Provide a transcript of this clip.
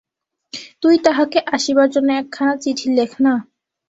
তুই তাঁহাকে আসিবার জন্য একখানা চিঠি লেখ না।